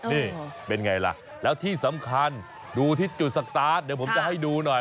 นี่เป็นไงล่ะแล้วที่สำคัญดูที่จุดสตาร์ทเดี๋ยวผมจะให้ดูหน่อย